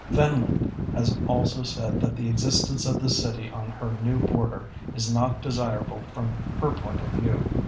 Finland has also said that the existence of this city on her new border is not desirable from her point of view.